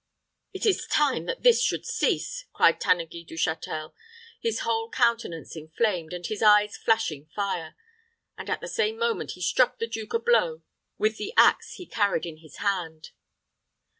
"It is time that this should cease!" cried Tanneguy du Châtel, his whole countenance inflamed, and his eyes flashing fire; and at the same moment he struck the duke a blow with the ax he carried in his hand.